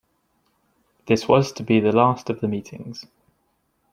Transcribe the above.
This was to be the last of the meetings.